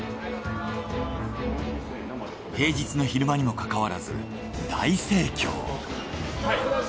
平日の昼間にもかかわらず大盛況。